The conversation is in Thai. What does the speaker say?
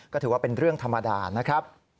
ก็ถือว่าเป็นเรื่องธรรมดานะครับ